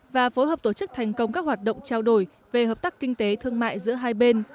và phối hợp tổ chức thành công các hoạt động trao đổi về hợp tác kinh tế thương mại giữa hai bên